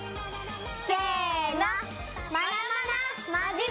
せの！